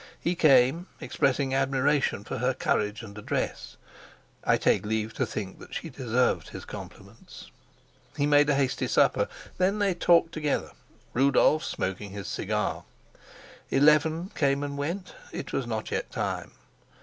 He came, expressing admiration for her courage and address; I take leave to think that she deserved his compliments. He made a hasty supper; then they talked together, Rudolf smoking his cigar. Eleven came and went. It was not yet time.